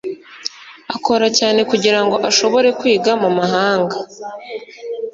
Akora cyane kugirango ashobore kwiga mumahanga